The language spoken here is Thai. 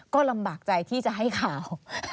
ก็ลำบากใจที่จะให้ข่าว